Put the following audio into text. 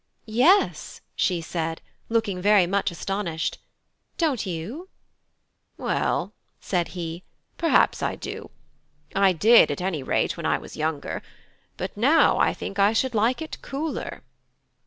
"Yes," she said, looking very much astonished, "Don't you?" "Well," said he, "perhaps I do. I did, at any rate, when I was younger; but now I think I should like it cooler."